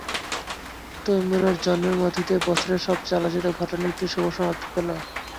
তৈমুরের জন্মের মধ্য দিয়ে বছরের সবচেয়ে আলোচিত ঘটনা একটি শুভ সমাপ্তি পেল।